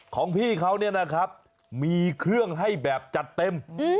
ของพี่เขาเนี่ยนะครับมีเครื่องให้แบบจัดเต็ม